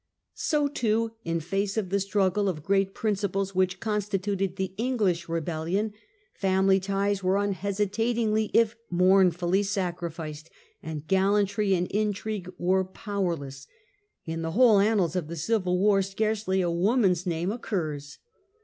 So, too, in face of the struggle of great principles which constituted the English rebellion, family ties were unhesitatingly if mournfully sacrificed, and gallantry and intrigue were powerless ; in the whole annals of the civil war scarcely a woman's name occurs.